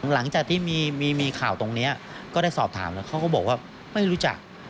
หลังจากที่มีข่าวตรงนี้ก็ได้สอบถามแล้วเขาก็บอกว่าไม่รู้จัก